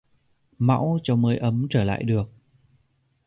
mãu cháu mới ấm trở lại được